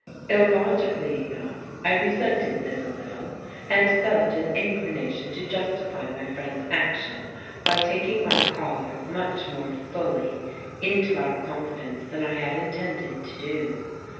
Illogically enough, I resented this a little and felt an inclination to justify my friend's action by taking my caller much more fully into our confidence than I had intended to do.